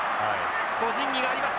個人技があります。